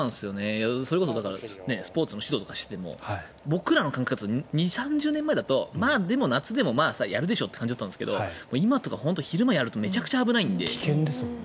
それこそスポーツの指導とかしてても僕らの感覚で２０３０年前だとまあやるでしょって感じだったんだけど今、昼間やるとめちゃくちゃ危ないんで。